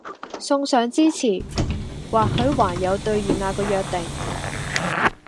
送上支持，或許還有兌現那個約定！